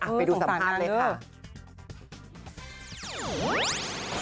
ไปดูสัมภาษณ์เลยค่ะสงสารกันเลยค่ะเออสงสารกันเลย